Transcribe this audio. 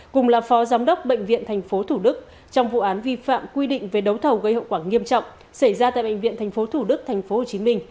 cùng là phó giám đốc bệnh viện tp thủ đức trong vụ án vi phạm quy định về đấu thầu gây hậu quả nghiêm trọng xảy ra tại bệnh viện tp thủ đức tp hcm